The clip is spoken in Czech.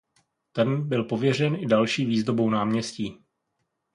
Ten byl pověřen i další výzdobou náměstí.